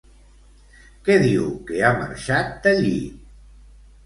Què diu que ha marxat d'allí?